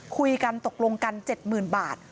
คุยกันตกลงกัน๗๐๐๐บาท